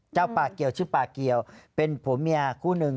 เจ้าป่าเกี่ยวชื่อป่าเกียวเป็นผัวเมียคู่หนึ่ง